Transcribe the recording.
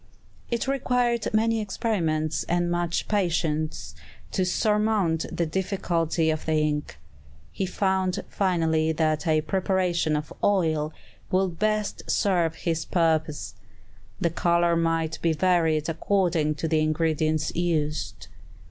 It required many experiments and much patience to surmount this difficulty of the ink. He found finally that a preparation of oil would best serve his purpose. The color might be varied according to the ingredients used.